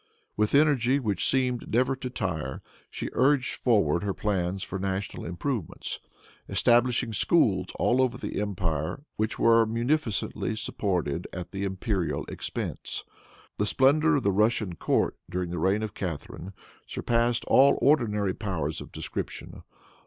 With energy which seemed never to tire, she urged forward her plans for national improvements, establishing schools all over the empire, which were munificently supported at the imperial expense. The splendor of the Russian court, during the reign of Catharine, surpassed all ordinary powers of description.